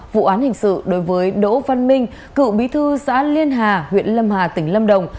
vụ án hình sự đối với đỗ văn minh cựu bí thư xã liên hà huyện lâm hà tỉnh lâm đồng